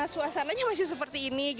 suasananya masih seperti ini